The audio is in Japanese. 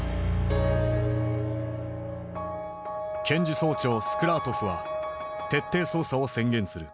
検事総長スクラートフは徹底捜査を宣言する。